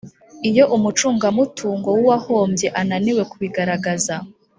Iyo umucungamutungo w uwahombye ananiwe kubigaragaza